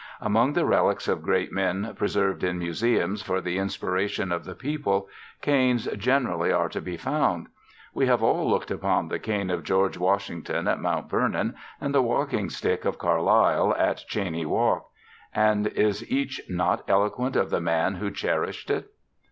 Among the relics of great men preserved in museums for the inspiration of the people canes generally are to be found. We have all looked upon the cane of George Washington at Mount Vernon and the walking stick of Carlyle in Cheyne Walk. And is each not eloquent of the man who cherished it?